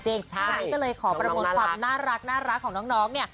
วันนี้ก็เลยขอประมวลความน่ารักของน้องเนี่ย